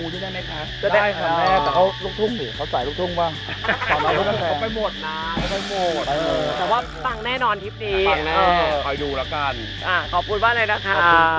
ได้ค่ะแม่แต่เขาลูกทุ่มเหรอเขาใส่ลูกทุ่มป่ะเขาไปหมดนะเขาไปหมดเออแต่ว่าฟังแน่นอนทริปนี้ฟังแน่นอนค่อยดูละกันอ่ะขอบคุณบ้างเลยนะคะ